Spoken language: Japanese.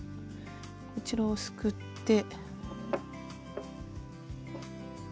こちらをすくって。